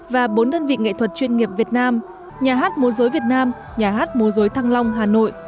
và bốn đơn vị nghệ thuật chuyên nghiệp việt nam nhà hát mối rối việt nam nhà hát mối rối thăng long hà nội